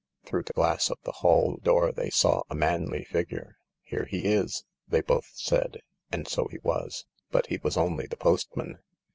Through the glass of the hall door they saw a manly figure. " Here he is !" they both said. And so he was. But he was only the postman.